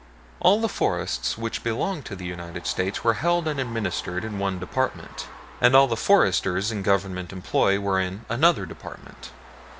All the forests which belonged to the United States were held and administered in one Department, and all the foresters in Government employ were in another Department.